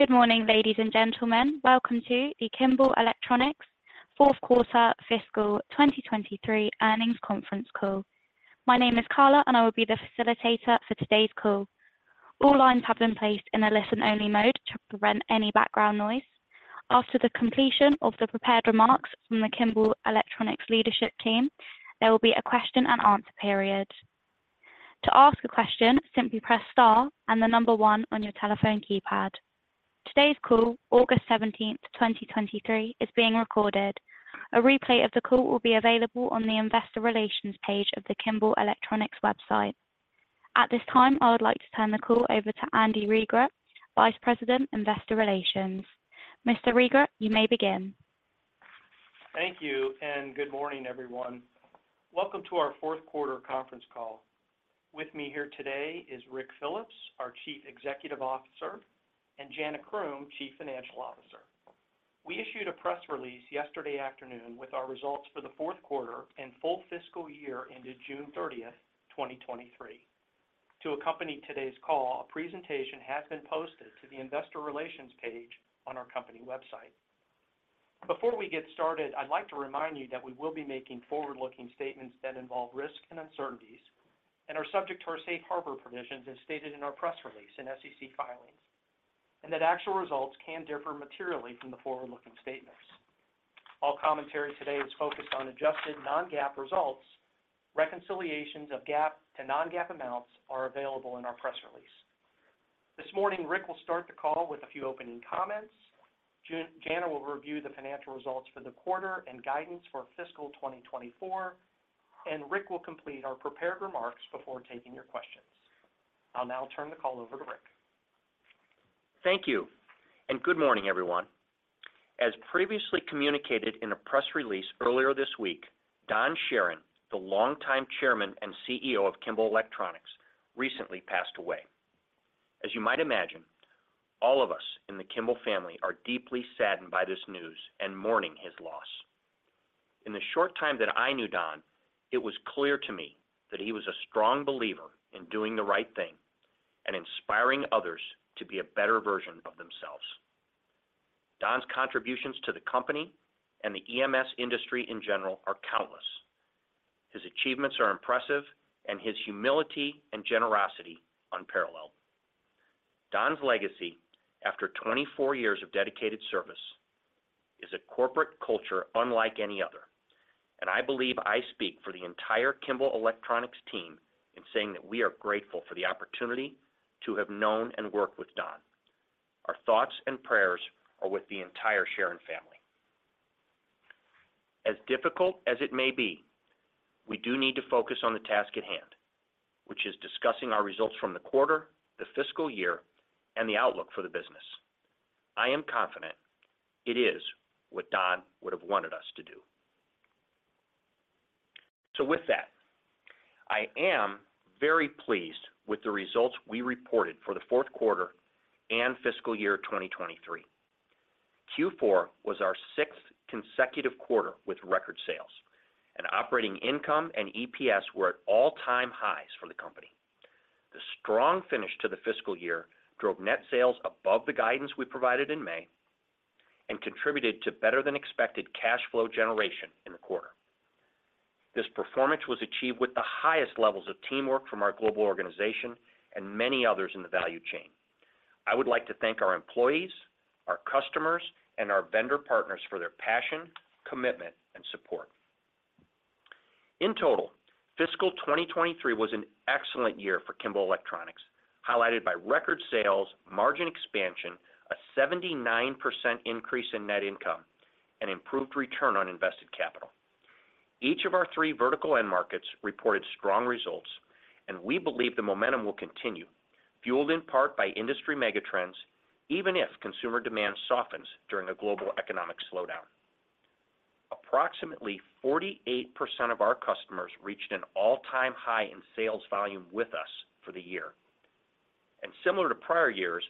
Good morning, ladies and gentlemen. Welcome to the Kimball Electronics Fourth Quarter Fiscal 2023 Earnings Conference Call. My name is Carla, and I will be the facilitator for today's call. All lines have been placed in a listen-only mode to prevent any background noise. After the completion of the prepared remarks from the Kimball Electronics leadership team, there will be a question and answer period. To ask a question, simply press star and the number one on your telephone keypad. Today's call, August 17th, 2023, is being recorded. A replay of the call will be available on the investor relations page of the Kimball Electronics website. At this time, I would like to turn the call over to Andy Regrut, Vice President, Investor Relations. Mr. Regrut, you may begin. Thank you, good morning, everyone. Welcome to our fourth quarter conference call. With me here today is Ric Phillips, our Chief Executive Officer, and Jana Croom, Chief Financial Officer. We issued a press release yesterday afternoon with our results for the fourth quarter and full fiscal year ended June 30, 2023. To accompany today's call, a presentation has been posted to the investor relations page on our company website. Before we get started, I'd like to remind you that we will be making forward-looking statements that involve risks and uncertainties, and are subject to our safe harbor provisions, as stated in our press release and SEC filings, and that actual results can differ materially from the forward-looking statements. All commentary today is focused on adjusted non-GAAP results. Reconciliations of GAAP to non-GAAP amounts are available in our press release. This morning, Ric will start the call with a few opening comments. Jana will review the financial results for the quarter and guidance for fiscal 2024. Ric will complete our prepared remarks before taking your questions. I'll now turn the call over to Ric. Thank you, and good morning, everyone. As previously communicated in a press release earlier this week, Don Charron, the longtime Chairman and CEO of Kimball Electronics, recently passed away. As you might imagine, all of us in the Kimball family are deeply saddened by this news and mourning his loss. In the short time that I knew Don, it was clear to me that he was a strong believer in doing the right thing and inspiring others to be a better version of themselves. Don's contributions to the company and the EMS industry in general are countless. His achievements are impressive, and his humility and generosity, unparalleled. Don's legacy, after 24 years of dedicated service, is a corporate culture unlike any other, and I believe I speak for the entire Kimball Electronics team in saying that we are grateful for the opportunity to have known and worked with Don. Our thoughts and prayers are with the entire Charron family. As difficult as it may be, we do need to focus on the task at hand, which is discussing our results from the quarter, the fiscal year, and the outlook for the business. I am confident it is what Don would have wanted us to do. With that, I am very pleased with the results we reported for the fourth quarter and fiscal year 2023. Q4 was our sixth consecutive quarter with record sales, and operating income and EPS were at all-time highs for the company. The strong finish to the fiscal year drove net sales above the guidance we provided in May and contributed to better-than-expected cash flow generation in the quarter. This performance was achieved with the highest levels of teamwork from our global organization and many others in the value chain. I would like to thank our employees, our customers, and our vendor partners for their passion, commitment, and support. In total, fiscal 2023 was an excellent year for Kimball Electronics, highlighted by record sales, margin expansion, a 79% increase in net income, and improved return on invested capital. Each of our three vertical end markets reported strong results, and we believe the momentum will continue, fueled in part by industry megatrends, even if consumer demand softens during a global economic slowdown. Approximately 48% of our customers reached an all-time high in sales volume with us for the year. Similar to prior years,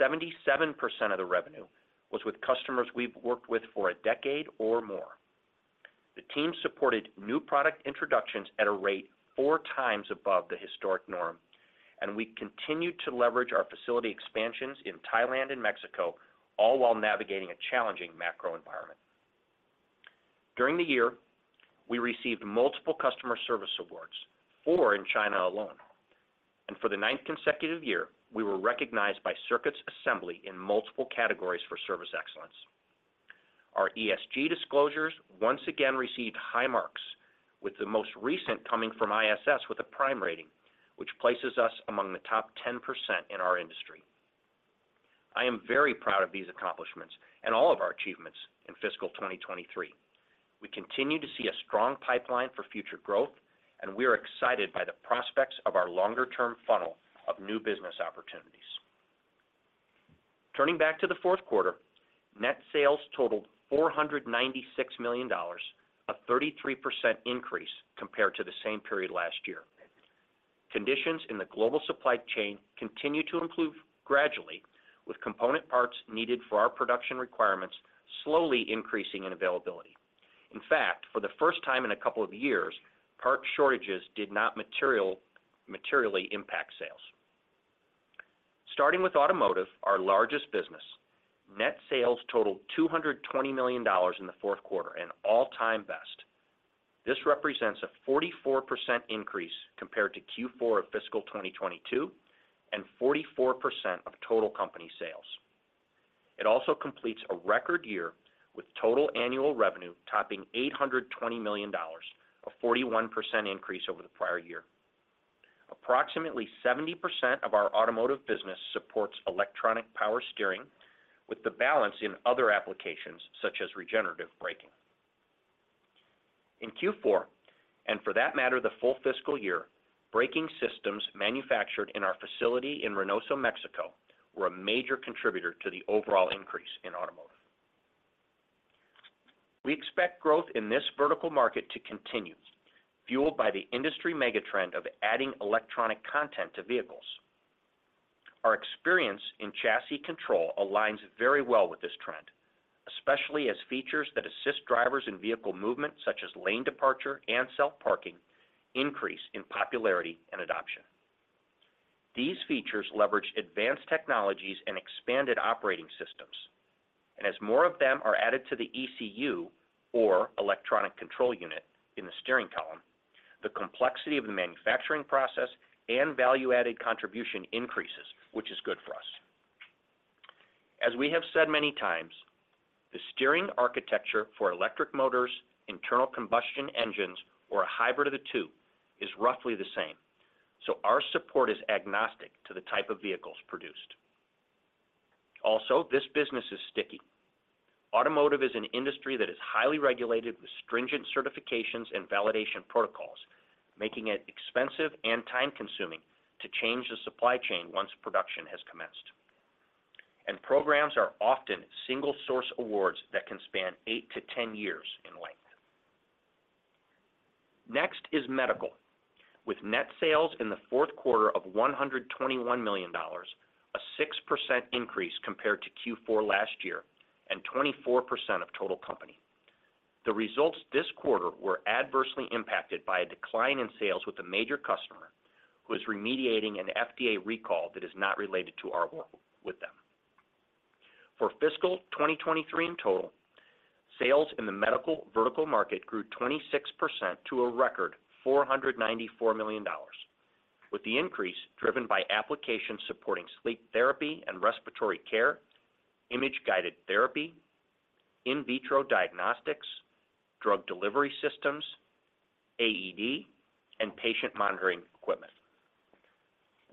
77% of the revenue was with customers we've worked with for a decade or more. The team supported new product introductions at a rate 4 times above the historic norm, and we continued to leverage our facility expansions in Thailand and Mexico, all while navigating a challenging macro environment. During the year, we received multiple customer service awards, four in China alone, and for the ninth consecutive year, we were recognized by Circuits Assembly in multiple categories for service excellence. Our ESG disclosures once again received high marks, with the most recent coming from ISS with a Prime rating, which places us among the top 10% in our industry. I am very proud of these accomplishments and all of our achievements in fiscal 2023. We continue to see a strong pipeline for future growth, and we are excited by the prospects of our longer-term funnel of new business opportunities. Turning back to the fourth quarter, net sales totaled $496 million, a 33% increase compared to the same period last year. Conditions in the global supply chain continue to improve gradually, with component parts needed for our production requirements slowly increasing in availability. In fact, for the first time in a couple of years, part shortages did not materially impact sales. Starting with automotive, our largest business, net sales totaled $220 million in the fourth quarter, an all-time best. This represents a 44% increase compared to Q4 of fiscal 2022, and 44% of total company sales. It also completes a record year, with total annual revenue topping $820 million, a 41% increase over the prior year. Approximately 70% of our automotive business supports electric power steering, with the balance in other applications such as regenerative braking. In Q4, and for that matter, the full fiscal year, braking systems manufactured in our facility in Reynosa, Mexico, were a major contributor to the overall increase in automotive. We expect growth in this vertical market to continue, fueled by the industry megatrend of adding electronic content to vehicles. Our experience in chassis control aligns very well with this trend, especially as features that assist drivers in vehicle movement, such as lane departure and self-parking, increase in popularity and adoption. These features leverage advanced technologies and expanded operating systems, and as more of them are added to the ECU or electronic control unit in the steering column, the complexity of the manufacturing process and value-added contribution increases, which is good for us. As we have said many times, the steering architecture for electric motors, internal combustion engines, or a hybrid of the two, is roughly the same, so our support is agnostic to the type of vehicles produced. Also, this business is sticky. Automotive is an industry that is highly regulated, with stringent certifications and validation protocols, making it expensive and time-consuming to change the supply chain once production has commenced. Programs are often single-source awards that can span 8-10 years in length. Next is medical. With net sales in the fourth quarter of $121 million, a 6% increase compared to Q4 last year, and 24% of total company. The results this quarter were adversely impacted by a decline in sales with a major customer who is remediating an FDA recall that is not related to our work with them. For fiscal 2023 in total, sales in the medical vertical market grew 26% to a record $494 million, with the increase driven by applications supporting sleep therapy and respiratory care, image-guided therapy, in vitro diagnostics, drug delivery systems, AED, and patient monitoring equipment.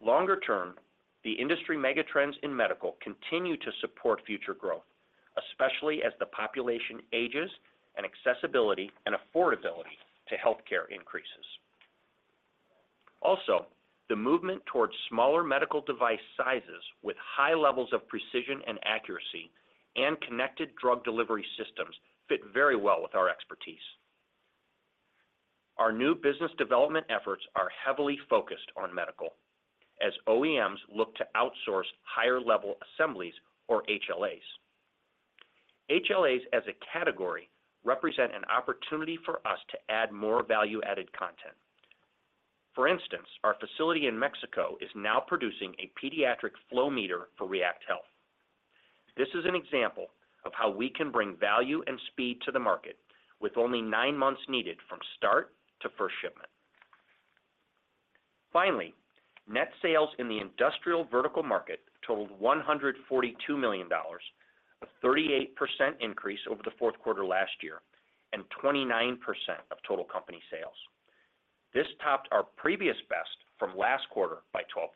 Longer term, the industry megatrends in medical continue to support future growth, especially as the population ages and accessibility and affordability to healthcare increases. The movement towards smaller medical device sizes with high levels of precision and accuracy and connected drug delivery systems fit very well with our expertise. Our new business development efforts are heavily focused on medical as OEMs look to outsource higher-level assemblies or HLAs. HLAs, as a category, represent an opportunity for us to add more value added content. For instance, our facility in Mexico is now producing a pediatric flow meter for React Health. This is an example of how we can bring value and speed to the market, with only nine months needed from start to first shipment. Finally, net sales in the industrial vertical market totaled $142 million, a 38% increase over the fourth quarter last year and 29% of total company sales. This topped our previous best from last quarter by 12%.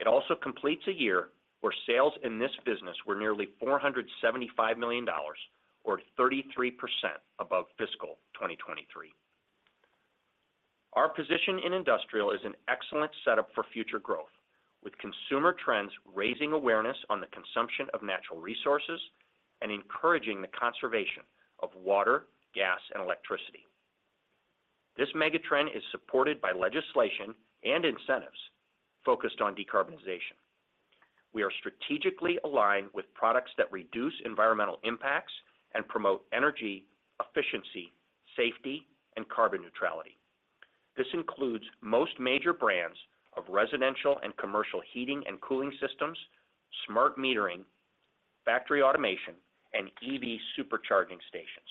It also completes a year where sales in this business were nearly $475 million, or 33% above fiscal 2023. Our position in industrial is an excellent setup for future growth, with consumer trends raising awareness on the consumption of natural resources and encouraging the conservation of water, gas, and electricity. This megatrend is supported by legislation and incentives focused on decarbonization. We are strategically aligned with products that reduce environmental impacts and promote energy efficiency, safety, and carbon neutrality. This includes most major brands of residential and commercial heating and cooling systems, smart metering, factory automation, and EV supercharging stations.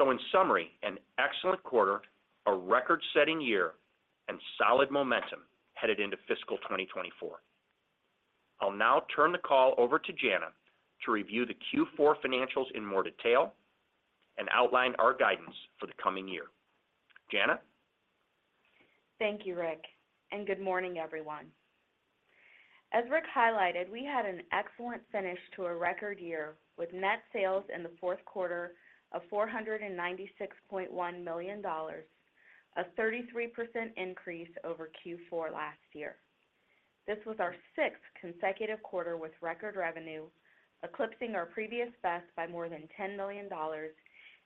In summary, an excellent quarter, a record-setting year, and solid momentum headed into fiscal 2024. I'll now turn the call over to Jana to review the Q4 financials in more detail and outline our guidance for the coming year. Jana? Thank you, Ric, and good morning, everyone. As Ric highlighted, we had an excellent finish to a record year, with net sales in the fourth quarter of $496.1 million, a 33% increase over Q4 last year. This was our sixth consecutive quarter with record revenue, eclipsing our previous best by more than $10 million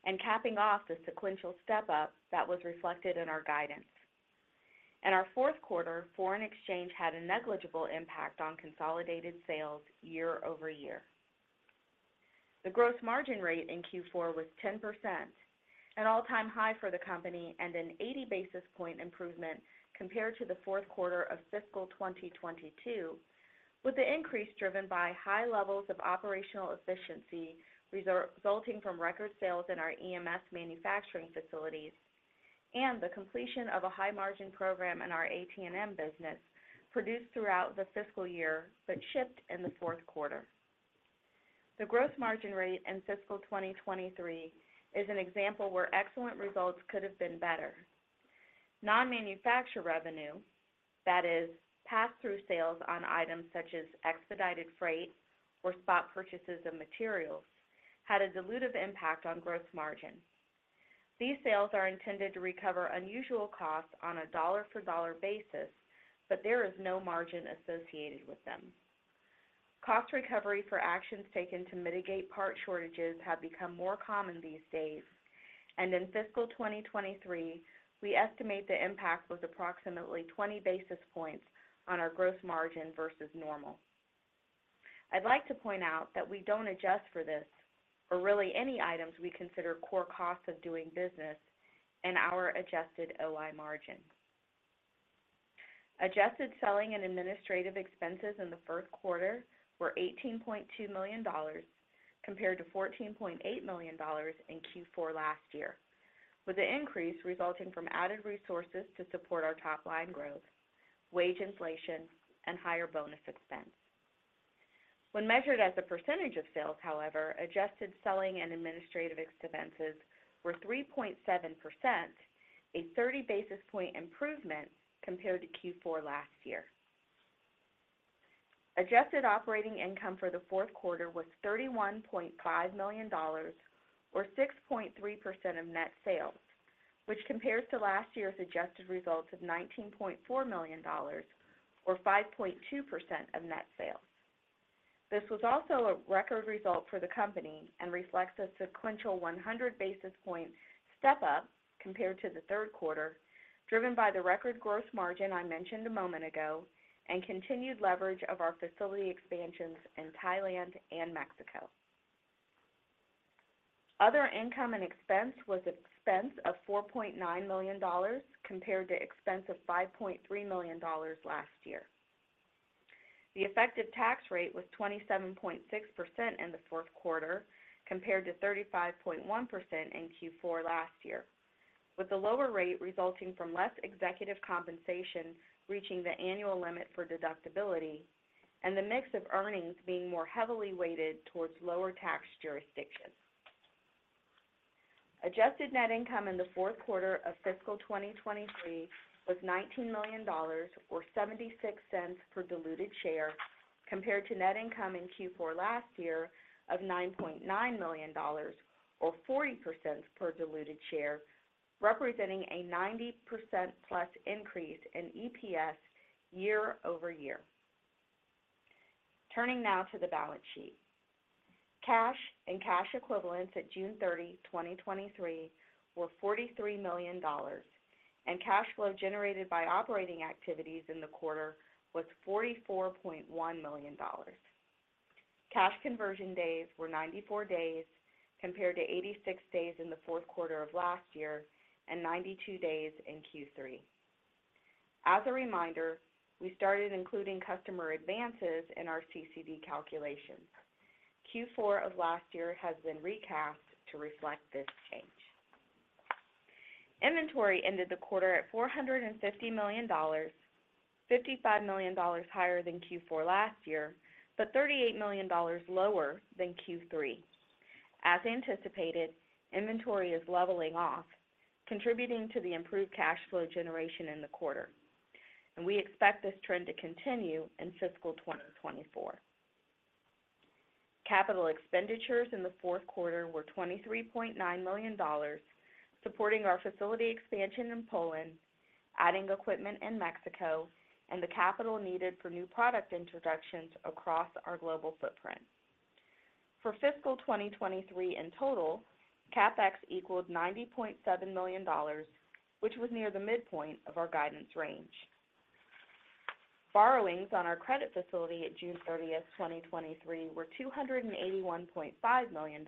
and capping off the sequential step up that was reflected in our guidance.... In our fourth quarter, foreign exchange had a negligible impact on consolidated sales year-over-year. The gross margin rate in Q4 was 10%, an all-time high for the company, an 80 basis point improvement compared to the fourth quarter of fiscal 2022, with the increase driven by high levels of operational efficiency resulting from record sales in our EMS manufacturing facilities and the completion of a high margin program in our AT&M business, produced throughout the fiscal year, but shipped in the fourth quarter. The gross margin rate in fiscal 2023 is an example where excellent results could have been better. Non-manufacture revenue, that is, pass-through sales on items such as expedited freight or spot purchases of materials, had a dilutive impact on gross margin. These sales are intended to recover unusual costs on a dollar for dollar basis, but there is no margin associated with them. Cost recovery for actions taken to mitigate part shortages have become more common these days. In fiscal 2023, we estimate the impact was approximately 20 basis points on our gross margin versus normal. I'd like to point out that we don't adjust for this or really any items we consider core costs of doing business in our adjusted operating margin. Adjusted selling and administrative expenses in the first quarter were $18.2 million, compared to $14.8 million in Q4 last year, with the increase resulting from added resources to support our top line growth, wage inflation, and higher bonus expense. When measured as a percentage of sales, however, adjusted selling and administrative expenses were 3.7%, a 30 basis point improvement compared to Q4 last year. Adjusted operating income for the fourth quarter was $31.5 million, or 6.3% of net sales, which compares to last year's adjusted results of $19.4 million, or 5.2% of net sales. This was also a record result for the company and reflects a sequential 100 basis point step up compared to the third quarter, driven by the record gross margin I mentioned a moment ago, and continued leverage of our facility expansions in Thailand and Mexico. Other income and expense was expense of $4.9 million, compared to expense of $5.3 million last year. The effective tax rate was 27.6% in the fourth quarter, compared to 35.1% in Q4 last year, with the lower rate resulting from less executive compensation reaching the annual limit for deductibility, and the mix of earnings being more heavily weighted towards lower tax jurisdictions. Adjusted net income in the fourth quarter of fiscal 2023 was $19 million, or $0.76 per diluted share, compared to net income in Q4 last year of $9.9 million or $0.40 per diluted share, representing a 90%+ increase in EPS year-over-year. Turning now to the balance sheet. Cash and cash equivalents at June 30, 2023, were $43 million, and cash flow generated by operating activities in the quarter was $44.1 million. Cash conversion days were 94 days, compared to 86 days in the fourth quarter of last year and 92 days in Q3. As a reminder, we started including customer advances in our CCD calculations. Q4 of last year has been recast to reflect this change. Inventory ended the quarter at $450 million, $55 million higher than Q4 last year, but $38 million lower than Q3. As anticipated, inventory is leveling off, contributing to the improved cash flow generation in the quarter, and we expect this trend to continue in fiscal 2024. Capital expenditures in the fourth quarter were $23.9 million, supporting our facility expansion in Poland, adding equipment in Mexico, and the capital needed for new product introductions across our global footprint. For fiscal 2023 in total, CapEx equaled $90.7 million, which was near the midpoint of our guidance range. Borrowings on our credit facility at June 30th, 2023, were $281.5 million,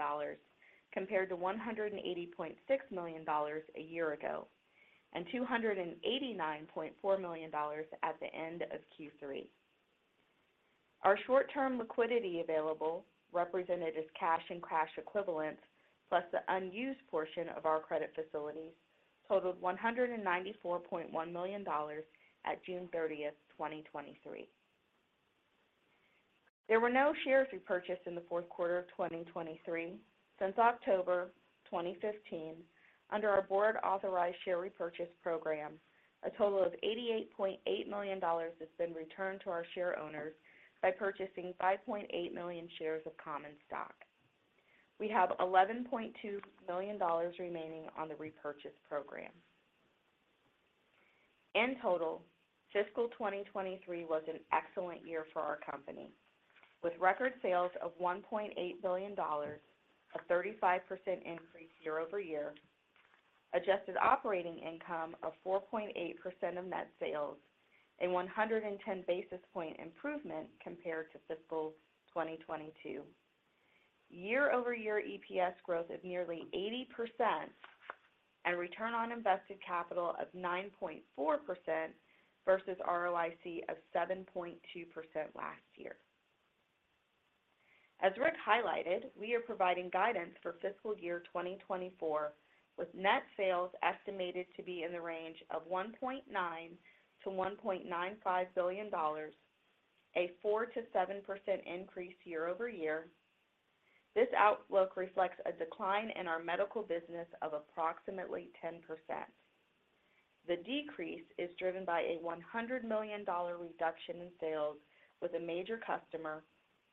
compared to $180.6 million a year ago, and $289.4 million at the end of Q3. Our short-term liquidity available, represented as cash and cash equivalents, plus the unused portion of our credit facilities, totaled $194.1 million at June 30th, 2023. There were no shares repurchased in the fourth quarter of 2023. Since October 2015, under our Board authorized share repurchase program, a total of $88.8 million has been returned to our share owners by purchasing 5.8 million shares of common stock. We have $11.2 million remaining on the repurchase program. Fiscal 2023 was an excellent year for our company, with record sales of $1.8 billion, a 35% increase year-over-year, adjusted operating income of 4.8% of net sales, a 110 basis point improvement compared to fiscal 2022. Year-over-year EPS growth of nearly 80% and Return on Invested Capital of 9.4% versus ROIC of 7.2% last year. As Ric highlighted, we are providing guidance for fiscal year 2024, with net sales estimated to be in the range of $1.9 billion-$1.95 billion, a 4%-7% increase year-over-year. This outlook reflects a decline in our medical business of approximately 10%. The decrease is driven by a $100 million reduction in sales, with a major customer,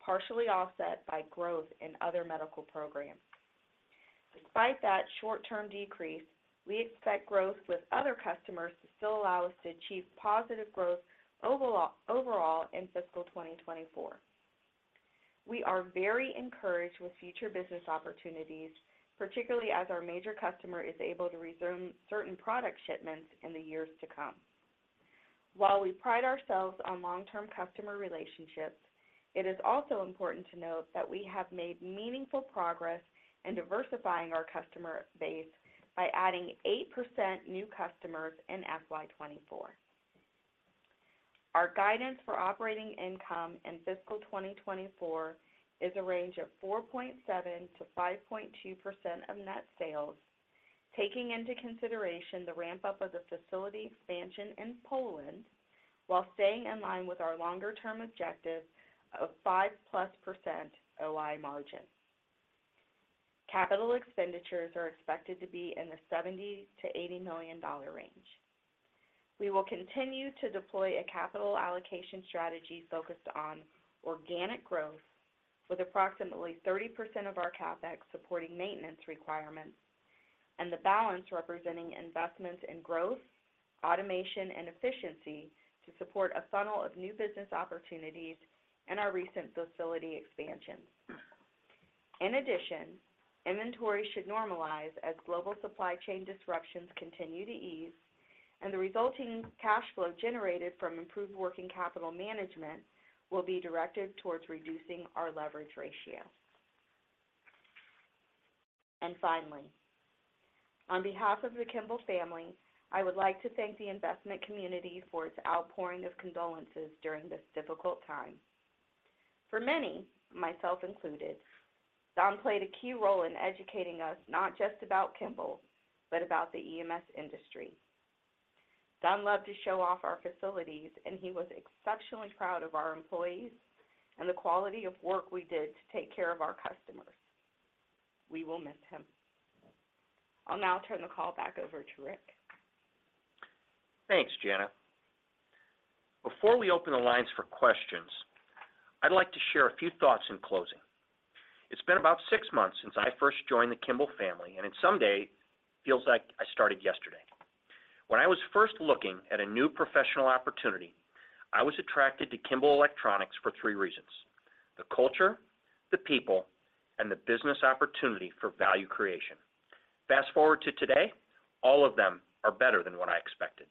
partially offset by growth in other medical programs. Despite that short-term decrease, we expect growth with other customers to still allow us to achieve positive growth overall in fiscal 2024. We are very encouraged with future business opportunities, particularly as our major customer is able to resume certain product shipments in the years to come. While we pride ourselves on long-term customer relationships, it is also important to note that we have made meaningful progress in diversifying our customer base by adding 8% new customers in FY 2024. Our guidance for operating income in fiscal 2024 is a range of 4.7%-5.2% of net sales, taking into consideration the ramp-up of the facility expansion in Poland, while staying in line with our longer-term objective of 5+% operating margin. Capital expenditures are expected to be in the $70 million-$80 million range. We will continue to deploy a capital allocation strategy focused on organic growth, with approximately 30% of our CapEx supporting maintenance requirements and the balance representing investments in growth, automation, and efficiency to support a funnel of new business opportunities and our recent facility expansions. In addition, inventory should normalize as global supply chain disruptions continue to ease, and the resulting cash flow generated from improved working capital management will be directed towards reducing our leverage ratio. Finally, on behalf of the Kimball family, I would like to thank the investment community for its outpouring of condolences during this difficult time. For many, myself included, Don played a key role in educating us, not just about Kimball, but about the EMS industry. Don loved to show off our facilities, and he was exceptionally proud of our employees and the quality of work we did to take care of our customers. We will miss him. I'll now turn the call back over to Ric. Thanks, Jana. Before we open the lines for questions, I'd like to share a few thoughts in closing. It's been about six months since I first joined the Kimball family, and in some way, feels like I started yesterday. When I was first looking at a new professional opportunity, I was attracted to Kimball Electronics for three reasons: the culture, the people, and the business opportunity for value creation. Fast forward to today, all of them are better than what I expected.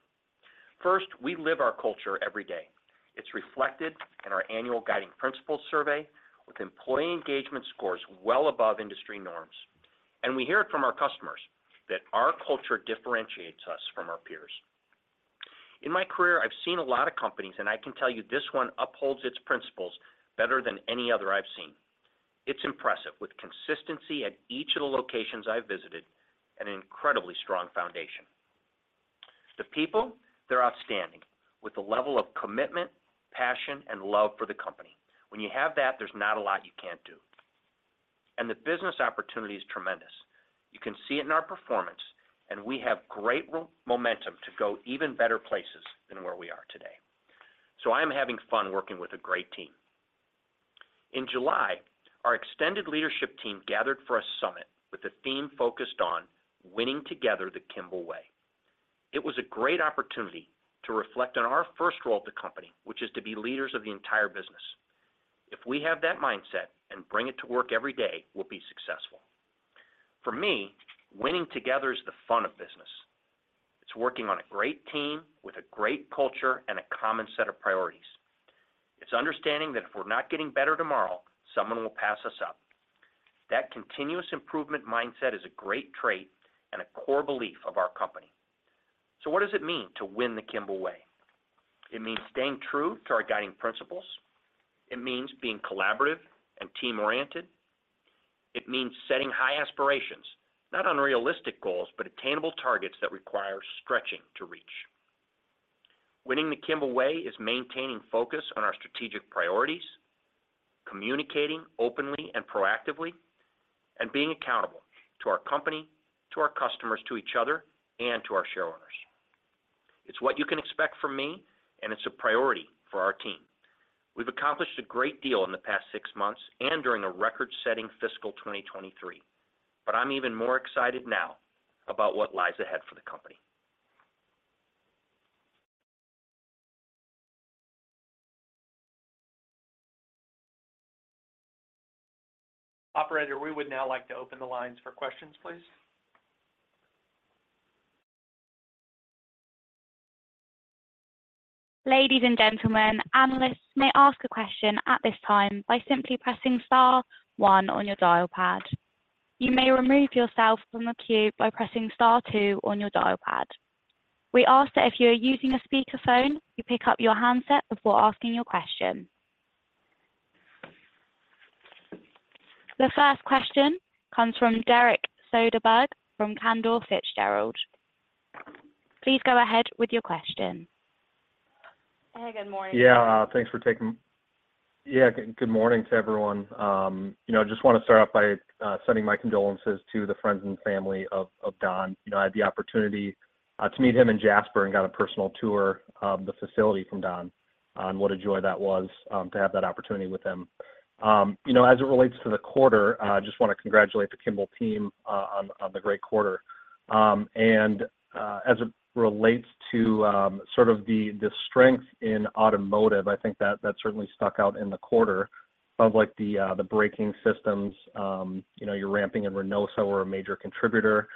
First, we live our culture every day. It's reflected in our annual Guiding Principles survey, with employee engagement scores well above industry norms. We hear it from our customers that our culture differentiates us from our peers. In my career, I've seen a lot of companies, and I can tell you this one upholds its principles better than any other I've seen. It's impressive, with consistency at each of the locations I've visited and an incredibly strong foundation. The people, they're outstanding, with a level of commitment, passion, and love for the company. When you have that, there's not a lot you can't do. The business opportunity is tremendous. You can see it in our performance, and we have great momentum to go even better places than where we are today. I am having fun working with a great team. In July, our extended leadership team gathered for a summit with a theme focused on winning together the Kimball way. It was a great opportunity to reflect on our first role at the company, which is to be leaders of the entire business. If we have that mindset and bring it to work every day, we'll be successful. For me, winning together is the fun of business. It's working on a great team with a great culture and a common set of priorities. It's understanding that if we're not getting better tomorrow, someone will pass us up. That continuous improvement mindset is a great trait and a core belief of our company. What does it mean to win the Kimball way? It means staying true to our Guiding Principles. It means being collaborative and team-oriented. It means setting high aspirations, not unrealistic goals, but attainable targets that require stretching to reach. Winning the Kimball way is maintaining focus on our strategic priorities, communicating openly and proactively, and being accountable to our company, to our customers, to each other, and to our shareholders. It's what you can expect from me, and it's a priority for our team....We've accomplished a great deal in the past six months and during a record-setting fiscal 2023. I'm even more excited now about what lies ahead for the company. Operator, we would now like to open the lines for questions, please. Ladies and gentlemen, analysts may ask a question at this time by simply pressing star one on your dial pad. You may remove yourself from the queue by pressing star two on your dial pad. We ask that if you are using a speakerphone, you pick up your handset before asking your question. The first question comes from Derek Soderberg from Cantor Fitzgerald. Please go ahead with your question. Hey, good morning. Yeah, thanks for taking. Yeah, good morning to everyone. You know, just want to start off by sending my condolences to the friends and family of, of Don. You know, I had the opportunity to meet him in Jasper and got a personal tour of the facility from Don, and what a joy that was to have that opportunity with him. You know, as it relates to the quarter, I just want to congratulate the Kimball team on, on the great quarter. As it relates to the strength in automotive, I think that that certainly stuck out in the quarter of like the braking systems, you know, you're ramping in Reynosa are a major contributor.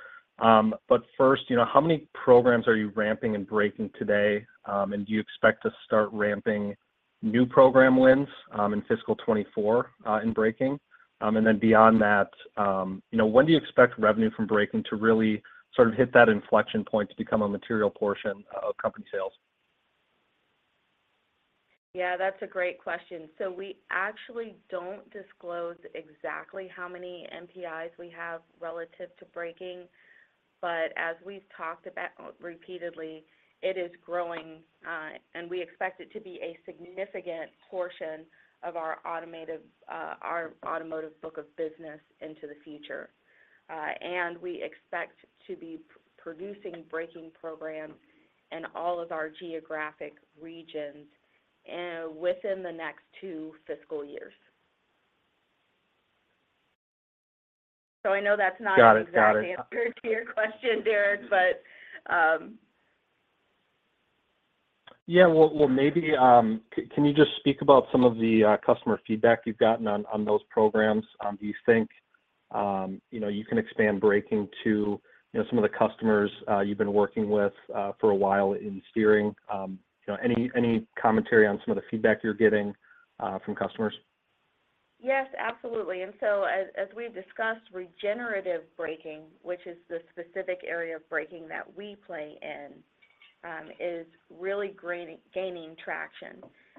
First, you know, how many programs are you ramping in braking today? Do you expect to start ramping new program wins in fiscal 2024 in braking? Then beyond that, you know, when do you expect revenue from braking to really sort of hit that inflection point to become a material portion of company sales? Yeah, that's a great question. We actually don't disclose exactly how many NPIs we have relative to braking, but as we've talked about repeatedly, it is growing, and we expect it to be a significant portion of our automotive, our automotive book of business into the future. And we expect to be producing braking programs in all of our geographic regions within the next two fiscal years. I know that's not- Got it. Got it. exactly answer to your question, Derek, but. Yeah, well, well, maybe, can you just speak about some of the customer feedback you've gotten on those programs? Do you think, you know, you can expand braking to, you know, some of the customers, you've been working with, for a while in steering? You know, any commentary on some of the feedback you're getting, from customers? Yes, absolutely. So as, as we've discussed, regenerative braking, which is the specific area of braking that we play in, is really gaining traction.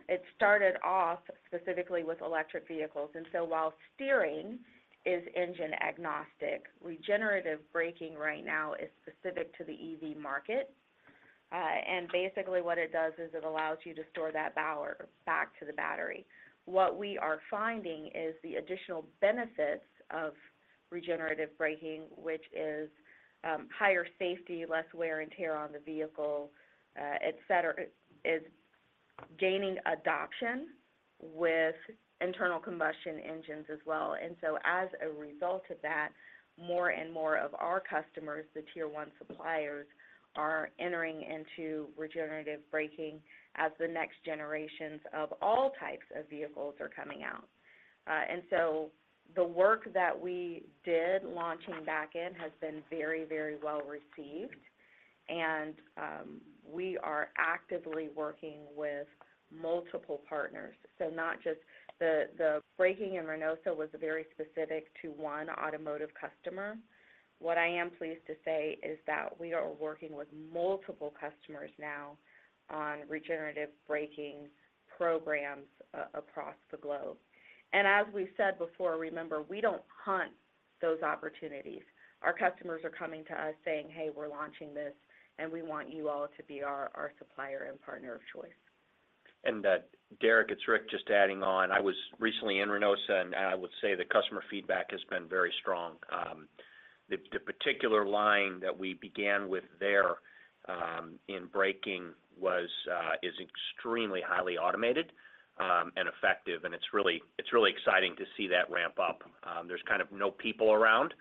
It started off specifically with electric vehicles, and so while steering is engine agnostic, regenerative braking right now is specific to the EV market. Basically what it does is it allows you to store that power back to the battery. What we are finding is the additional benefits of regenerative braking, which is higher safety, less wear and tear on the vehicle, et cetera, is gaining adoption with internal combustion engines as well. So as a result of that, more and more of our customers, the Tier one suppliers, are entering into regenerative braking as the next generations of all types of vehicles are coming out. The work that we did launching back in has been very, very well-received, and we are actively working with multiple partners. Not just the, the braking in Reynosa was very specific to one automotive customer. What I am pleased to say is that we are working with multiple customers now on regenerative braking programs across the globe. As we said before, remember, we don't hunt those opportunities. Our customers are coming to us saying, "Hey, we're launching this, and we want you all to be our, our supplier and partner of choice. Derek, it's Ric, just adding on. I was recently in Reynosa, and I would say the customer feedback has been very strong. The, the particular line that we began with there, in braking was, is extremely highly automated, and effective, and it's really, it's really exciting to see that ramp up. There's kind of no people around,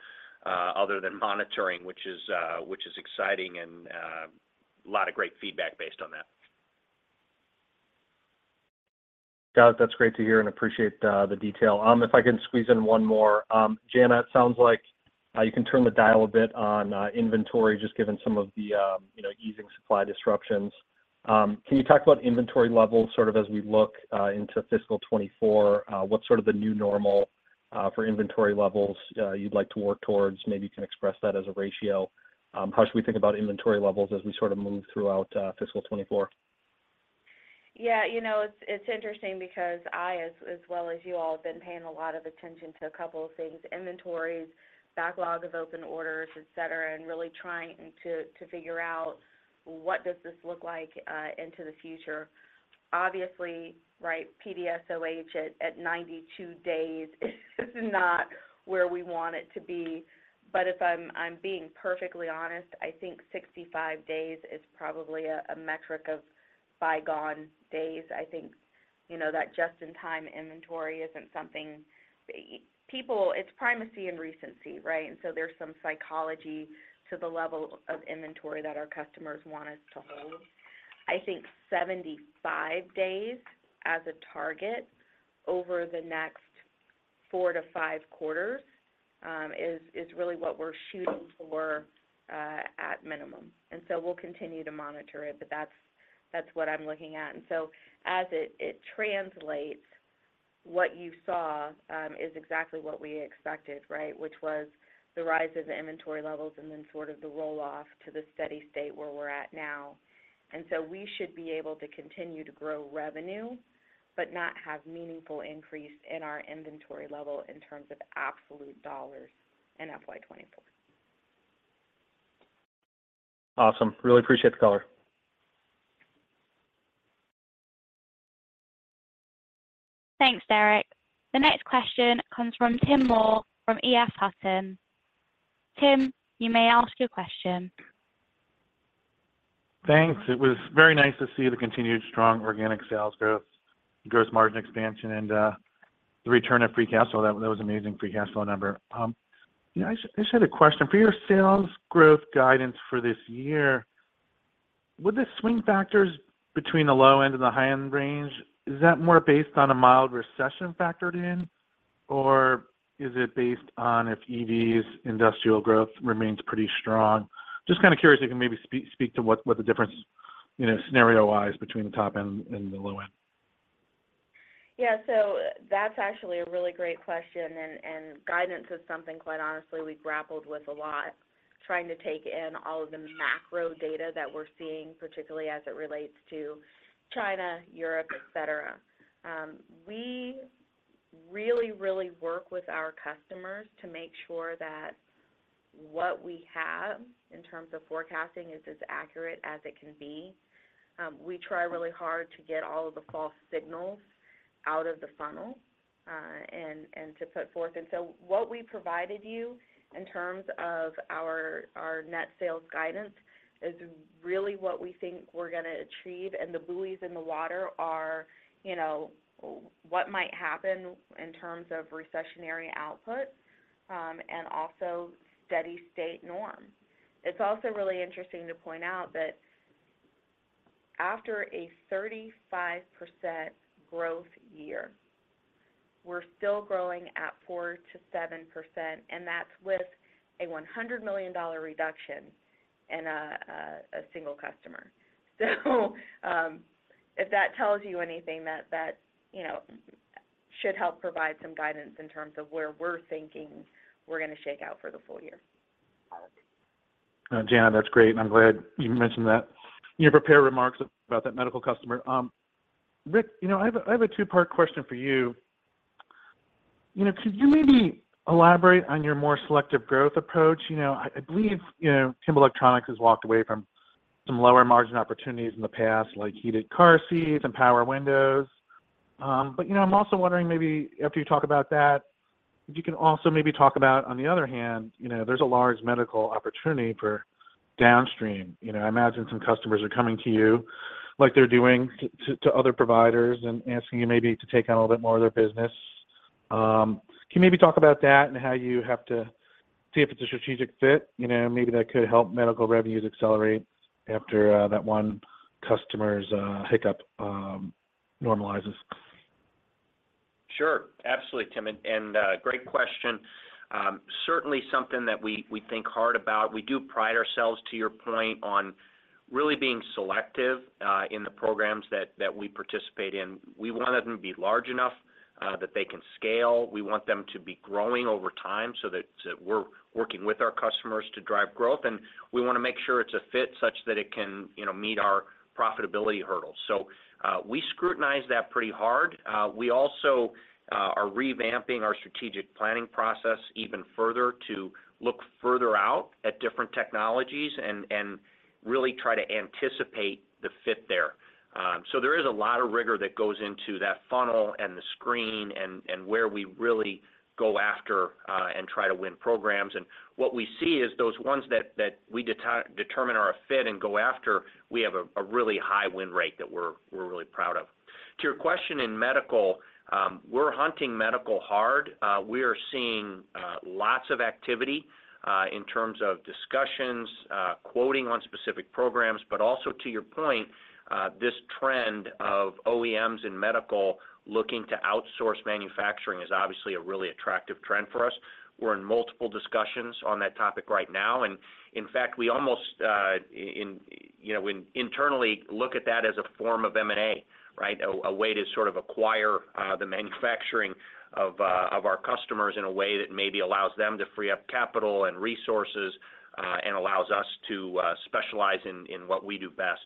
other than monitoring, which is, which is exciting and a lot of great feedback based on that. Got it. That's great to hear, appreciate the detail. If I can squeeze in one more. Jana, it sounds like you can turn the dial a bit on inventory, just given some of the, you know, easing supply disruptions. Can you talk about inventory levels, sort of as we look into fiscal 2024? What's sort of the new normal for inventory levels you'd like to work towards? Maybe you can express that as a ratio. How should we think about inventory levels as we sort of move throughout fiscal 2024? Yeah, you know, it's, it's interesting because I, as, as well as you all, have been paying a lot of attention to a couple of things: inventories, backlog of open orders, et cetera, and really trying to, to figure out what does this look like, into the future. Obviously, right, PDSOH at, at 92 days is not where we want it to be, but if I'm, I'm being perfectly honest, I think 65 days is probably a, a metric of bygone days, I think.... you know, that just-in-time inventory isn't something, people-- It's primacy and recency, right? There's some psychology to the level of inventory that our customers want us to hold. I think 75 days as a target over the next 4 to 5 quarters, is, is really what we're shooting for, at minimum. We'll continue to monitor it, but that's, that's what I'm looking at. As it, it translates, what you saw, is exactly what we expected, right. Which was the rise of the inventory levels and then sort of the roll-off to the steady state where we're at now. We should be able to continue to grow revenue, but not have meaningful increase in our inventory level in terms of absolute dollars in FY 2024. Awesome. Really appreciate the color. Thanks, Derek. The next question comes from Tim Moore from EF Hutton. Tim, you may ask your question. Thanks. It was very nice to see the continued strong organic sales growth, gross margin expansion, and the return of free cash flow. That, that was amazing free cash flow number. You know, I just, I just had a question. For your sales growth guidance for this year, would the swing factors between the low end and the high end range, is that more based on a mild recession factored in, or is it based on if EVs industrial growth remains pretty strong? Just kind of curious if you can maybe speak to what, what the difference, you know, scenario-wise, between the top end and the low end? Yeah. That's actually a really great question, and guidance is something, quite honestly, we grappled with a lot, trying to take in all of the macro data that we're seeing, particularly as it relates to China, Europe, et cetera. We really, really work with our customers to make sure that what we have in terms of forecasting is as accurate as it can be. We try really hard to get all of the false signals out of the funnel, and to put forth. What we provided you in terms of our, our net sales guidance is really what we think we're gonna achieve, and the buoys in the water are, you know, what might happen in terms of recessionary output, and also steady-state norm. It's also really interesting to point out that after a 35% growth year, we're still growing at 4%-7%, and that's with a $100 million reduction in a single customer. If that tells you anything, that, you know, should help provide some guidance in terms of where we're thinking we're gonna shake out for the full year. Jana, that's great, and I'm glad you mentioned that in your prepared remarks about that medical customer. Ric, you know, I have a, I have a two-part question for you. You know, could you maybe elaborate on your more selective growth approach? You know, I, I believe, you know, Kimball Electronics has walked away from some lower margin opportunities in the past, like heated car seats and power windows. But, you know, I'm also wondering, maybe after you talk about that, if you can also maybe talk about, on the other hand, you know, there's a large medical opportunity for downstream. You know, I imagine some customers are coming to you like they're doing to, to, to other providers and asking you maybe to take on a little bit more of their business. Can you maybe talk about that and how you have to see if it's a strategic fit? You know, maybe that could help medical revenues accelerate after that one customer's hiccup normalizes. Sure. Absolutely, Tim. Great question. Certainly something that we, we think hard about. We do pride ourselves, to your point, on really being selective in the programs that we participate in. We want them to be large enough that they can scale. We want them to be growing over time so that, so we're working with our customers to drive growth. We wanna make sure it's a fit such that it can, you know, meet our profitability hurdles. We scrutinize that pretty hard. We also are revamping our strategic planning process even further to look further out at different technologies and really try to anticipate the fit there. There is a lot of rigor that goes into that funnel and the screen and where we really go after and try to win programs. What we see is those ones that, that we determine are a fit and go after, we have a, a really high win rate that we're, we're really proud of. To your question in medical, we're hunting medical hard. We are seeing lots of activity in terms of discussions, quoting on specific programs, but also, to your point, this trend of OEMs in medical looking to outsource manufacturing is obviously a really attractive trend for us. We're in multiple discussions on that topic right now, and in fact, we almost, you know, when internally look at that as a form of M&A, right? A way to sort of acquire the manufacturing of our customers in a way that maybe allows them to free up capital and resources, and allows us to specialize in what we do best.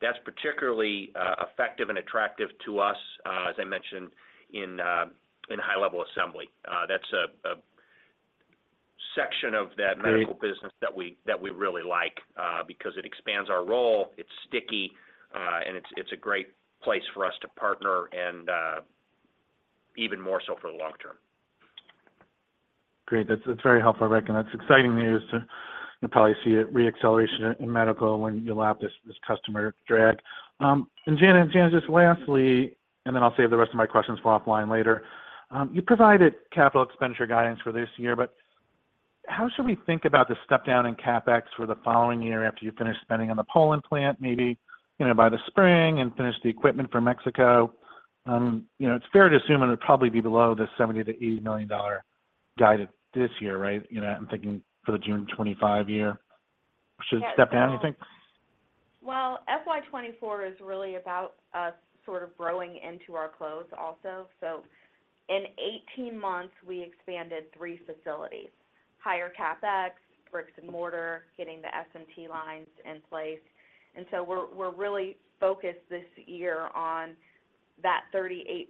That's particularly effective and attractive to us, as I mentioned in high-level assembly. That's a section of that medical business. Great- that we, that we really like, because it expands our role, it's sticky, and it's, it's a great place for us to partner, and, even more so for the long term. Great. That's, that's very helpful, Ric, and that's exciting news to, you'll probably see it re-acceleration in medical when you lap this, this customer drag. Jana, Jana, just lastly, and then I'll save the rest of my questions for offline later. You provided capital expenditure guidance for this year, but how should we think about the step down in CapEx for the following year after you finish spending on the Poland plant, maybe, you know, by the spring and finish the equipment for Mexico? You know, it's fair to assume it would probably be below the $70 million-$80 million guided this year, right? You know, I'm thinking for the June 2025 year, should it step down, you think? Well, FY 2024 is really about us sort of growing into our clothes also. In 18 months, we expanded three facilities, higher CapEx, bricks and mortar, getting the SMT lines in place. We're really focused this year on that 38%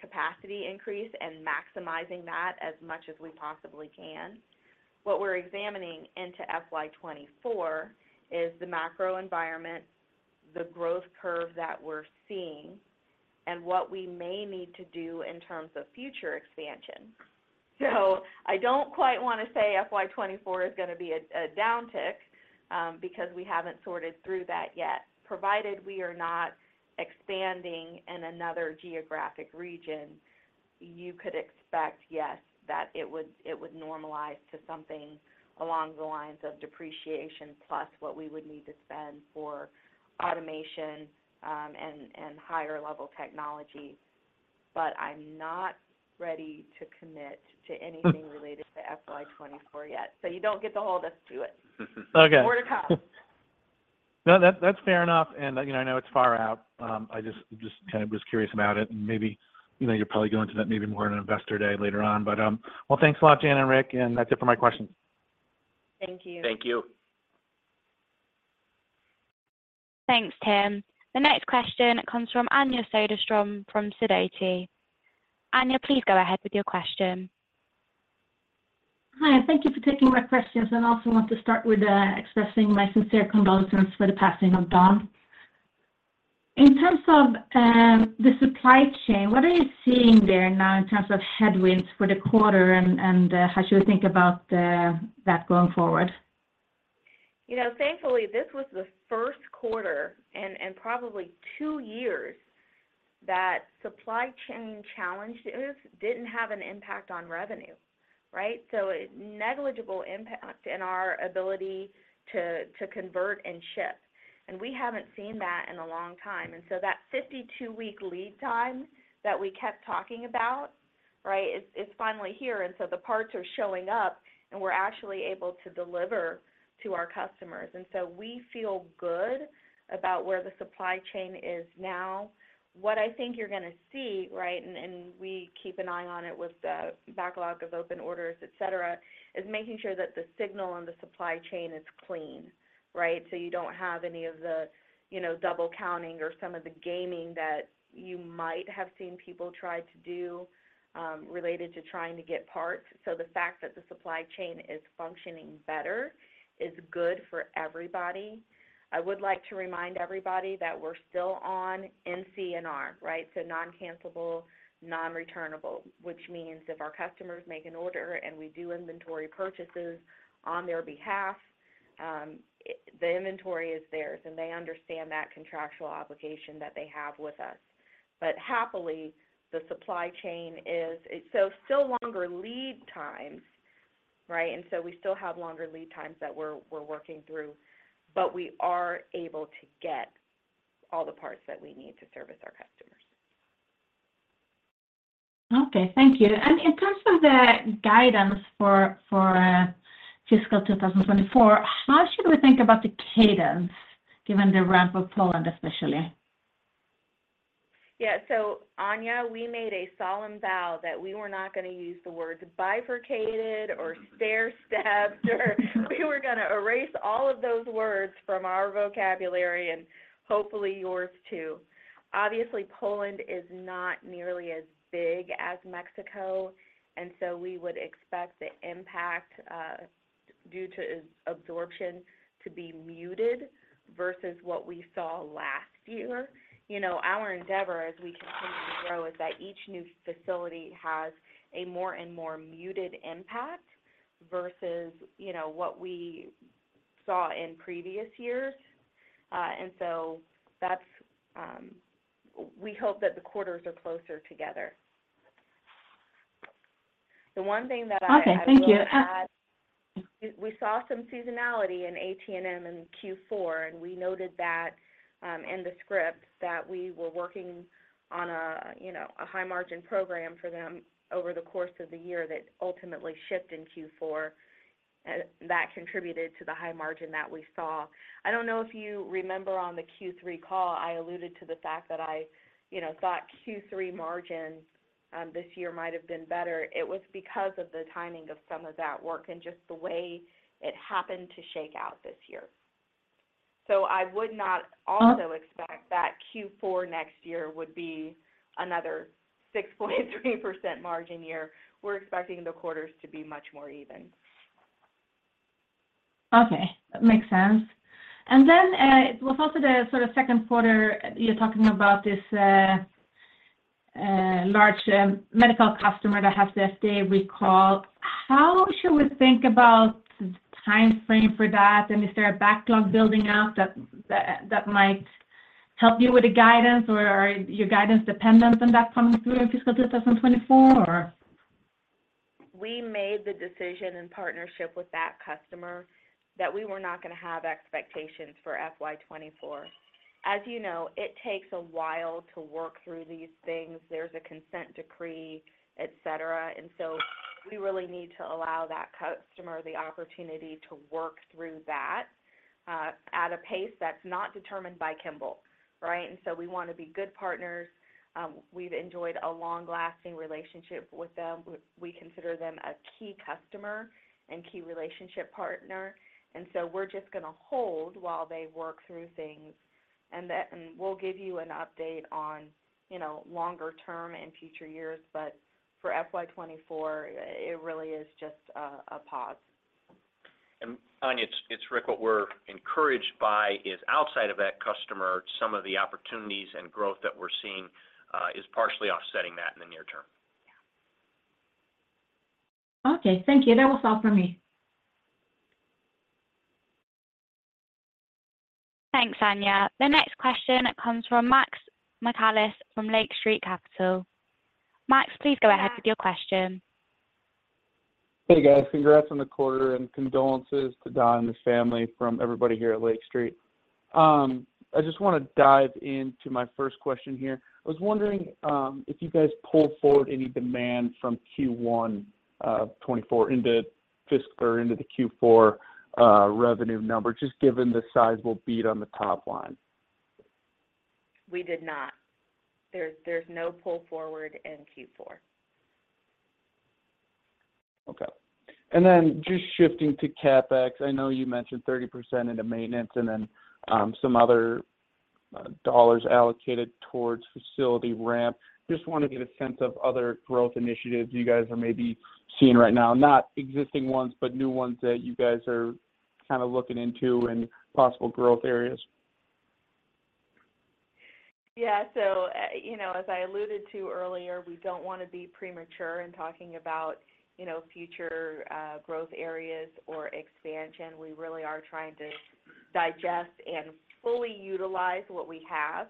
capacity increase and maximizing that as much as we possibly can. What we're examining into FY 2024 is the macro environment, the growth curve that we're seeing, and what we may need to do in terms of future expansion. I don't quite want to say FY 2024 is going to be a downtick because we haven't sorted through that yet. Provided we are not expanding in another geographic region, you could expect, yes, that it would normalize to something along the lines of depreciation, plus what we would need to spend for automation, and higher level technology. I'm not ready to commit to anything related to FY 2024 yet, so you don't get to hold us to it. Okay. More to come. No, that's, that's fair enough. You know, I know it's far out. I just kind of was curious about it, and maybe, you know, you'll probably go into that maybe more in an investor day later on. Well, thanks a lot, Jana and Ric, and that's it for my questions. Thank you. Thank you. Thanks, Tim. The next question comes from Anja Soderstrom from Sidoti. Anja, please go ahead with your question. Hi, and thank you for taking my questions. I also want to start with expressing my sincere condolences for the passing of Don. In terms of the supply chain, what are you seeing there now in terms of headwinds for the quarter and how should we think about the, that going forward? You know, thankfully, this was the first quarter and, in probably two years, that supply chain challenges didn't have an impact on revenue, right? A negligible impact in our ability to convert and ship, and we haven't seen that in a long time. That 52-week lead time that we kept talking about, right, it's finally here. The parts are showing up, and we're actually able to deliver to our customers. We feel good about where the supply chain is now. What I think you're going to see, right, and we keep an eye on it with the backlog of open orders, et cetera, is making sure that the signal on the supply chain is clean, right? You don't have any of the, you know, double counting or some of the gaming that you might have seen people try to do, related to trying to get parts. The fact that the supply chain is functioning better is good for everybody. I would like to remind everybody that we're still on NCNR, right? Non-cancellable, non-returnable, which means if our customers make an order and we do inventory purchases on their behalf, the inventory is theirs, and they understand that contractual obligation that they have with us. Happily, the supply chain is... Still longer lead times, right? We still have longer lead times that we're, we're working through, but we are able to get all the parts that we need to service our customers. Okay, thank you. In terms of the guidance for, for, fiscal 2024, how should we think about the cadence, given the ramp of Poland, especially? Yeah. Anja, we made a solemn vow that we were not going to use the words bifurcated or stair-stepped, or we were going to erase all of those words from our vocabulary and hopefully yours, too. Obviously, Poland is not nearly as big as Mexico. We would expect the impact due to absorption to be muted versus what we saw last year. You know, our endeavor, as we continue to grow, is that each new facility has a more and more muted impact versus, you know, what we saw in previous years. That's we hope that the quarters are closer together. The one thing that I. Okay, thank you. We saw some seasonality in AT&M in Q4, and we noted that in the script that we were working on a, you know, a high margin program for them over the course of the year that ultimately shipped in Q4, and that contributed to the high margin that we saw. I don't know if you remember on the Q3 call, I alluded to the fact that I, you know, thought Q3 margins this year might have been better. It was because of the timing of some of that work and just the way it happened to shake out this year. I would not also expect that Q4 next year would be another 6.3% margin year. We're expecting the quarters to be much more even. Okay, that makes sense. Then, it was also the sort of second quarter, you're talking about this, large, medical customer that has the FDA recall. How should we think about the time frame for that? Is there a backlog building up that, that, that might help you with the guidance, or are your guidance dependent on that coming through in fiscal 2024, or? We made the decision in partnership with that customer that we were not going to have expectations for FY 2024. As you know, it takes a while to work through these things. There's a consent decree, et cetera. So we really need to allow that customer the opportunity to work through that at a pace that's not determined by Kimball, right? So we want to be good partners. We've enjoyed a long-lasting relationship with them. We, we consider them a key customer and key relationship partner, so we're just going to hold while they work through things. We'll give you an update on, you know, longer term in future years. For FY 2024, it really is just a, a pause. Anja, it's, it's Ric what we're encouraged by is outside of that customer, some of the opportunities and growth that we're seeing, is partially offsetting that in the near term. Yeah. Okay. Thank you. That was all for me. Thanks, Anja. The next question comes from Max Michaelis from Lake Street Capital. Max, please go ahead with your question. Hey, guys. Congrats on the quarter and condolences to Don and his family from everybody here at Lake Street. I just want to dive into my first question here. I was wondering, if you guys pulled forward any demand from Q1 of 2024 into fiscal or into the Q4 revenue number, just given the sizable beat on the top line? We did not. There's no pull forward in Q4. Okay. Then just shifting to CapEx, I know you mentioned 30% into maintenance and then, some other, dollars allocated towards facility ramp. Just want to get a sense of other growth initiatives you guys are maybe seeing right now. Not existing ones, but new ones that you guys are kind of looking into and possible growth areas. Yeah. you know, as I alluded to earlier, we don't want to be premature in talking about, you know, future, growth areas or expansion. We really are trying to digest and fully utilize what we have.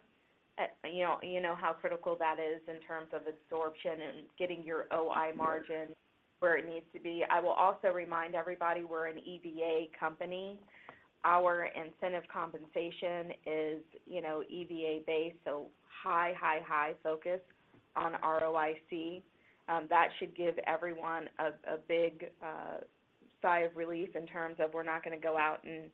you know, you know how critical that is in terms of absorption and getting your operating margin- Yes... where it needs to be. I will also remind everybody, we're an EVA company. Our incentive compensation is, you know, EVA-based, so high, high, high focus on ROIC. That should give everyone a, a big, sigh of relief in terms of we're not going to go out and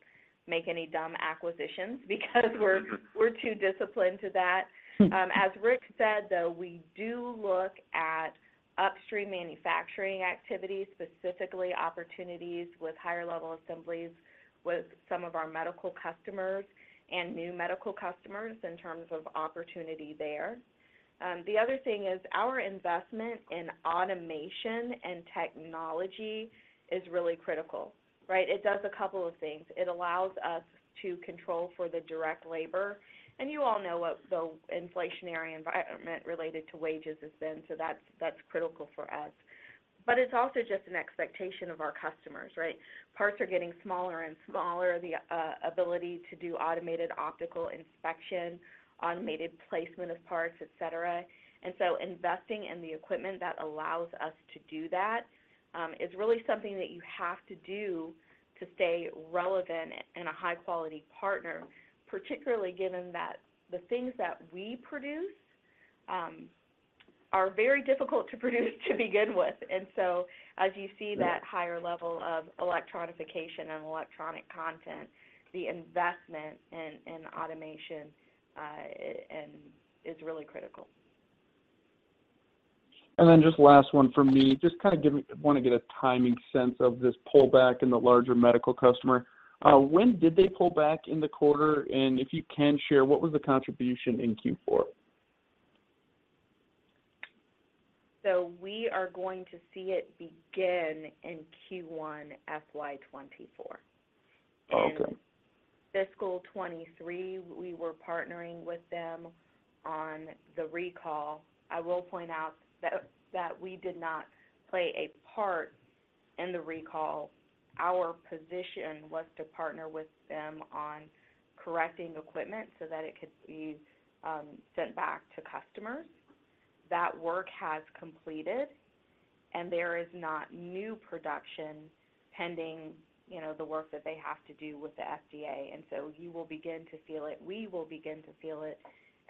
make any dumb acquisitions because we're- Sure... we're too disciplined to that. As Ric said, though, we do look at upstream manufacturing activities, specifically opportunities with Higher-Level Assemblies, with some of our medical customers and new medical customers in terms of opportunity there. The other thing is our investment in automation and technology is really critical, right? It does a couple of things. It allows us to control for the direct labor, and you all know what the inflationary environment related to wages has been, so that's, that's critical for us. It's also just an expectation of our customers, right? Parts are getting smaller and smaller, the ability to do automated optical inspection, automated placement of parts, et cetera. Investing in the equipment that allows us to do that, is really something that you have to do to stay relevant and a high-quality partner, particularly given that the things that we produce, are very difficult to produce to begin with. As you see that higher level of electronification and electronic content, the investment in, in automation, it, and is really critical. Just last one for me. Just kind of want to get a timing sense of this pullback in the larger medical customer. When did they pull back in the quarter? If you can share, what was the contribution in Q4? We are going to see it begin in Q1, FY 2024. Okay. In fiscal 23, we were partnering with them on the recall. I will point out that we did not play a part in the recall. Our position was to partner with them on correcting equipment so that it could be sent back to customers. That work has completed, and there is not new production pending, you know, the work that they have to do with the FDA. You will begin to feel it. We will begin to feel it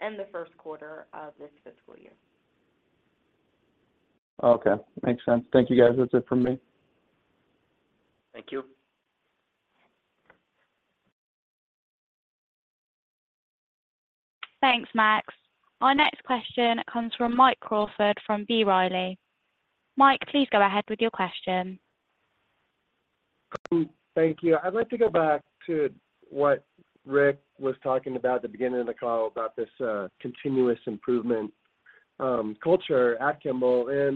in the first quarter of this fiscal year. Okay, makes sense. Thank you, guys. That's it from me. Thank you. Thanks, Max. Our next question comes from Mike Crawford, from B. Riley. Mike, please go ahead with your question. Thank you. I'd like to go back to what Ric was talking about at the beginning of the call, about this, continuous improvement, culture at Kimball....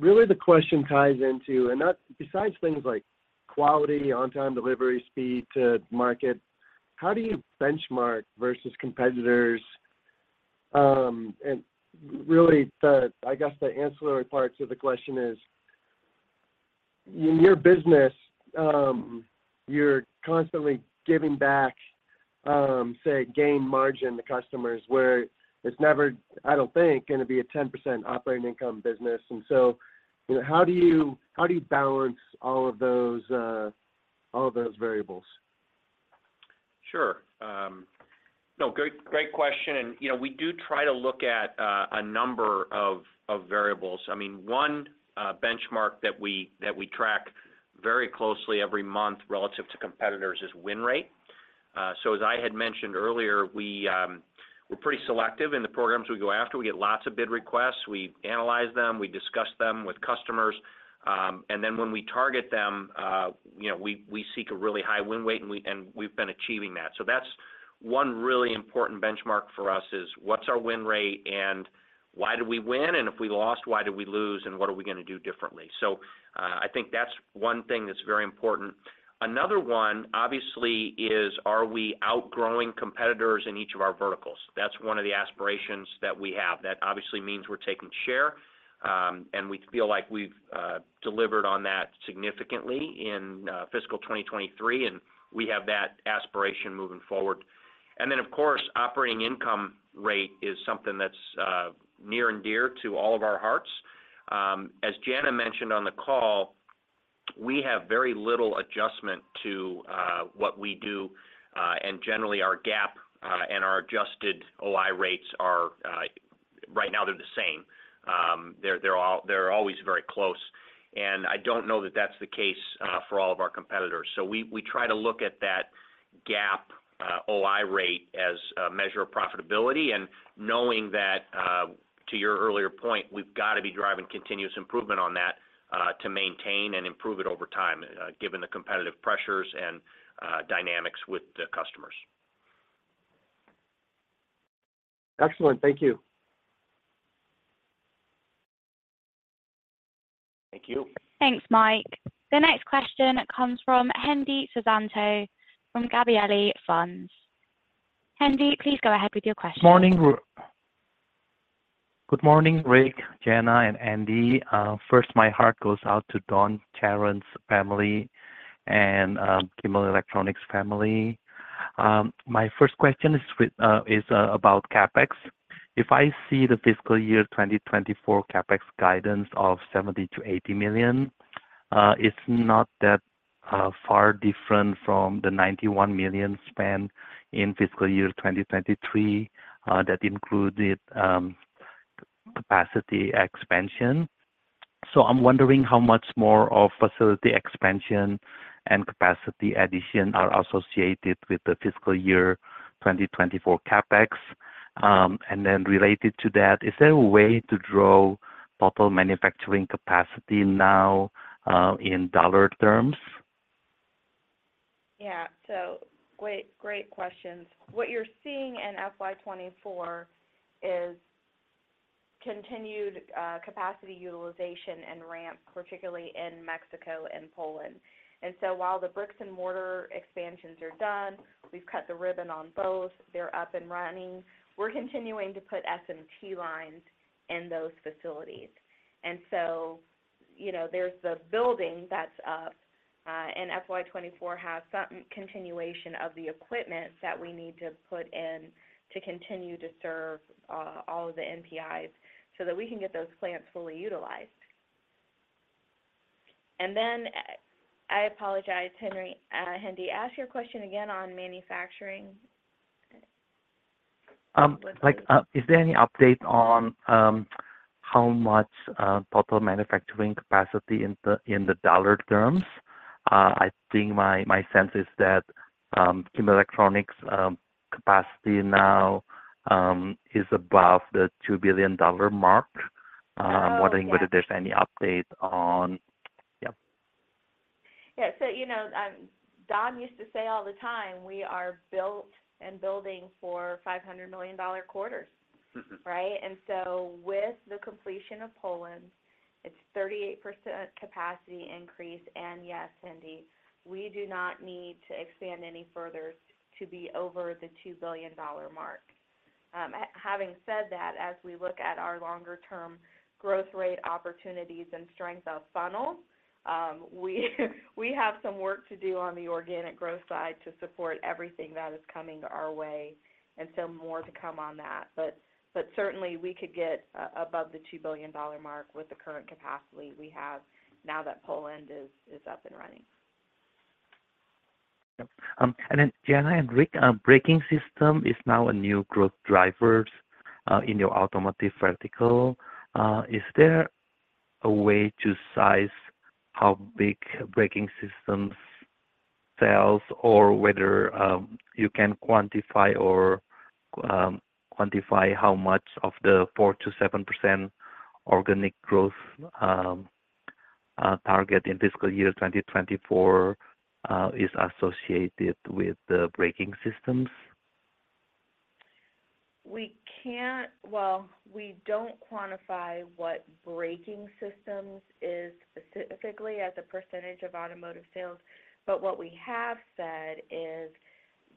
Really, the question ties into, besides things like quality, on-time delivery, speed to market, how do you benchmark versus competitors? Really, the, I guess, the ancillary part to the question is, in your business, you're constantly giving back, say, gain margin to customers, where it's never, I don't think, going to be a 10% operating income business. So, how do you, how do you balance all of those, all of those variables? Sure. No, great, great question, and, you know, we do try to look at a number of variables. I mean one benchmark that we, that we track very closely every month relative to competitors is win rate. As I had mentioned earlier, we're pretty selective in the programs we go after. We get lots of bid requests, we analyze them, we discuss them with customers, and then when we target them, you know, we, we seek a really high win rate, and we, and we've been achieving that. That's one really important benchmark for us is: what's our win rate, and why did we win? And if we lost, why did we lose, and what are we going to do differently? I think that's one thing that's very important. Another one, obviously, is, are we outgrowing competitors in each of our verticals? That's one of the aspirations that we have. That obviously means we're taking share, and we feel like we've delivered on that significantly in fiscal 2023, and we have that aspiration moving forward. Of course, operating income rate is something that's near and dear to all of our hearts. As Jana mentioned on the call, we have very little adjustment to what we do, and generally, our GAAP and our adjusted OI rates are right now, they're the same. They're, they're always very close, and I don't know that that's the case for all of our competitors. We, we try to look at that GAAP, OI rate as a measure of profitability and knowing that, to your earlier point, we've got to be driving continuous improvement on that, to maintain and improve it over time, given the competitive pressures and, dynamics with the customers. Excellent. Thank you. Thank you. Thanks, Mike. The next question comes from Hendi Susanto from Gabelli Funds. Hendi, please go ahead with your question. Morning. Good morning, Ric, Jana, and Andy. First, my heart goes out to Don Charron's family and Kimball Electronics family. My first question is with, is about CapEx. If I see the fiscal year 2024 CapEx guidance of $70 million-$80 million, it's not that far different from the $91 million spent in fiscal year 2023, that included capacity expansion. I'm wondering how much more of facility expansion and capacity addition are associated with the fiscal year 2024 CapEx? Related to that, is there a way to draw total manufacturing capacity now, in dollar terms? Yeah. So great, great questions. What you're seeing in FY 2024 is continued capacity utilization and ramp, particularly in Mexico and Poland. While the bricks-and-mortar expansions are done, we've cut the ribbon on both. They're up and running. We're continuing to put SMT lines in those facilities. You know, there's the building that's up, and FY 2024 has some continuation of the equipment that we need to put in to continue to serve all of the NPIs so that we can get those plants fully utilized. I apologize, Hendi, ask your question again on manufacturing. Like, is there any update on how much total manufacturing capacity in the dollar terms? I think my sense is that Kimball Electronics capacity now is above the $2 billion mark. Oh, yes. I'm wondering whether there's any update on. Yeah. Yeah. You know, Don used to say all the time, we are built and building for $500 million quarters. Mm-hmm. Right? So with the completion of Poland, it's 38% capacity increase. Yes, Hendi, we do not need to expand any further to be over the $2 billion mark. Having said that, as we look at our longer-term growth rate opportunities and strength of funnel, we, we have some work to do on the organic growth side to support everything that is coming our way. So more to come on that. Certainly, we could get above the $2 billion mark with the current capacity we have now that Poland is, is up and running. Yep. Then Jana and Ric, braking system is now a new growth drivers, in your automotive vertical. Is there a way to size how big braking systems sells, or whether you can quantify or quantify how much of the 4% to 7% organic growth target in fiscal year 2024 is associated with the braking systems? We can't, well, we don't quantify what braking systems is specifically as a percentage of automotive sales, but what we have said is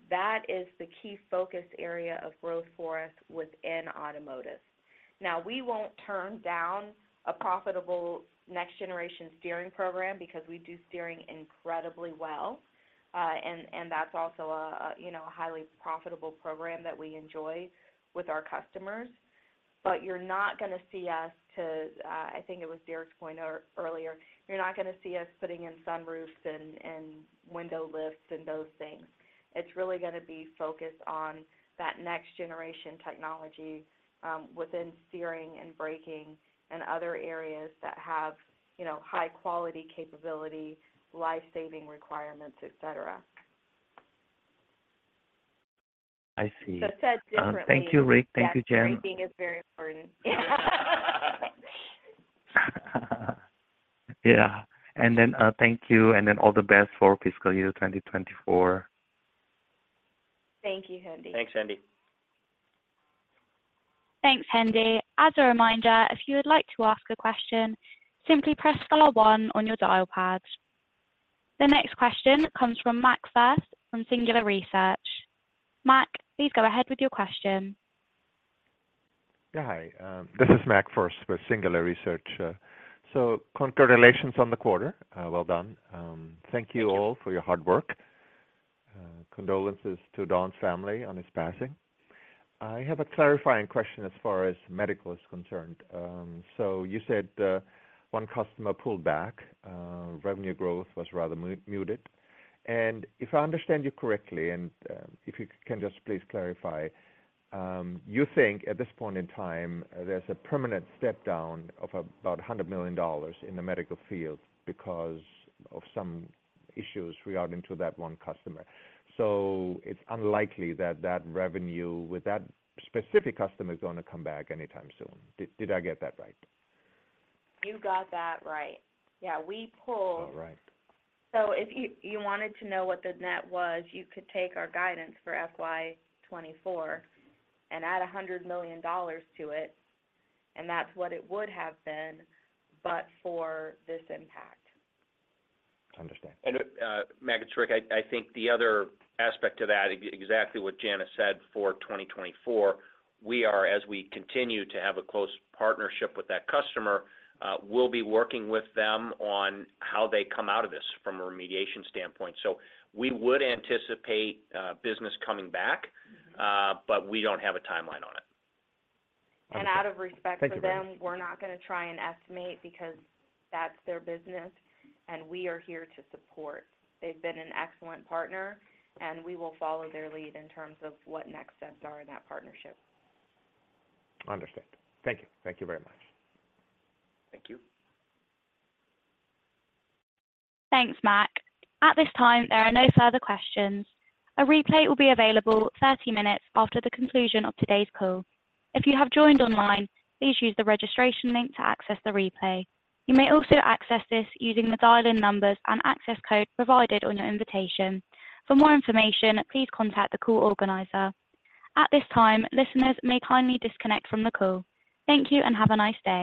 that is the key focus area of growth for us within automotive. We won't turn down a profitable next generation steering program because we do steering incredibly well. And that's also a, you know, a highly profitable program that we enjoy with our customers. You're not gonna see us to, I think it was Derek's point earlier, you're not gonna see us putting in sunroofs and, and window lifts and those things. It's really gonna be focused on that next generation technology, within steering and braking and other areas that have, you know, high quality capability, life-saving requirements, et cetera. I see. said differently- Thank you, Ric. Thank you, Jana. Braking is very important. Yeah. thank you, and then all the best for fiscal year 2024. Thank you, Hendi. Thanks, Hendi. Thanks, Hendi. As a reminder, if you would like to ask a question, simply press star one on your dial pad. The next question comes from Mac Furst from Singular Research. Mac, please go ahead with your question. Yeah, hi. This is Mac Furst with Singular Research. Congratulations on the quarter. Well done. Thank you all for your hard work. Condolences to Don's family on his passing. I have a clarifying question as far as medical is concerned. You said, one customer pulled back, revenue growth was rather muted. If I understand you correctly, and if you can just please clarify, you think at this point in time, there's a permanent step down of about $100 million in the medical field because of some issues regarding to that one customer. It's unlikely that that revenue with that specific customer is gonna come back anytime soon. Did, did I get that right? You got that right. Yeah, we. All right. If you wanted to know what the net was, you could take our guidance for FY 2024 and add $100 million to it, and that's what it would have been, but for this impact. Understand. Mac Furst, I, I think the other aspect to that, exactly what Jana has said for 2024, we are, as we continue to have a close partnership with that customer, we'll be working with them on how they come out of this from a remediation standpoint. We would anticipate business coming back, but we don't have a timeline on it. Okay. Out of respect for them, we're not gonna try and estimate because that's their business, and we are here to support. They've been an excellent partner, and we will follow their lead in terms of what next steps are in that partnership. Understand. Thank you. Thank you very much. Thank you. Thanks, Mac. At this time, there are no further questions. A replay will be available 30 minutes after the conclusion of today's call. If you have joined online, please use the registration link to access the replay. You may also access this using the dial-in numbers and access code provided on your invitation. For more information, please contact the call organizer. At this time, listeners may kindly disconnect from the call. Thank you and have a nice day.